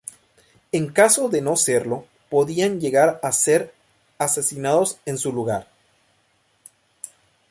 En caso de no serlo, podían llegar a ser asesinados en su lugar.